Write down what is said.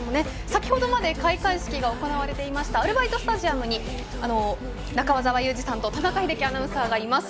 先ほどまで開会式が行われていたアルバイトスタジアムに中澤佑二さんと田中秀樹アナウンサーがいます。